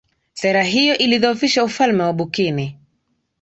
sera hiyo ilidhoofisha ufalme wa bukini